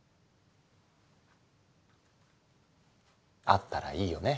あったらいいよね。